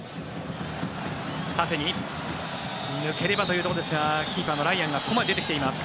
縦に抜ければというところですがキーパーのライアンがここまで出てきています。